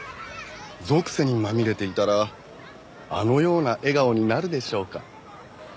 俗世にまみれていたらあのような笑顔になるでしょうか？